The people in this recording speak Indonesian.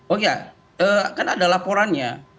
oh ya kan ada laporannya